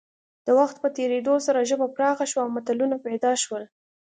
د وخت په تېرېدو سره ژبه پراخه شوه او متلونه پیدا شول